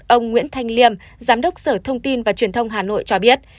ông nguyễn thanh liêm giám đốc sở thông tin và truyền thông hà nội cho biết